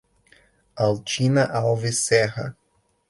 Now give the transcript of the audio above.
Altina Alves Serra